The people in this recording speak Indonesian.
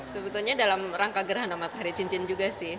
sebetulnya dalam rangka gerhana matahari cincin juga sih